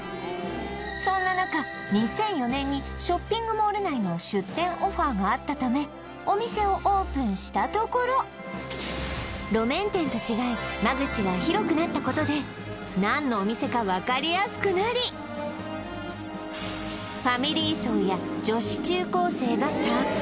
そんな中２００４年にショッピングモール内の出店オファーがあったためお店をオープンしたところ路面店と違い間口が広くなったことで何のお店か分かりやすくなりへえすると変わり種の串も次々考案！